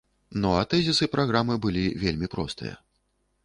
Ну а тэзісы праграмы былі вельмі простыя.